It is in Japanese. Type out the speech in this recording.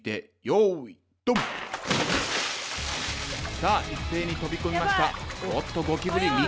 さあ一斉に飛び込みました。